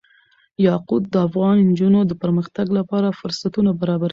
یاقوت د افغان نجونو د پرمختګ لپاره فرصتونه برابروي.